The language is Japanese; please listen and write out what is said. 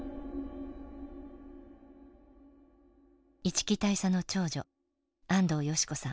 一木大佐の長女安藤淑子さん。